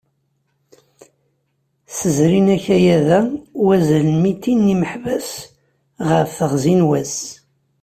Sserzin akayad-a wazal n mitin n yimeḥbas ɣef teɣzi n wass.